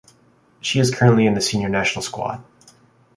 She is currently in the senior national squad.